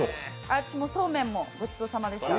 私、そうめんもごちそうさまでした。